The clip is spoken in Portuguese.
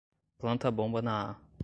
Planta a bomba na A